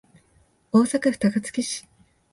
大阪府高槻市